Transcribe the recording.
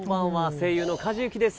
声優の梶裕貴です。